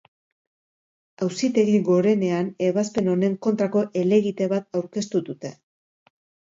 Auzitegi Gorenean ebazpen honen kontrako helegite bat aurkeztu dute.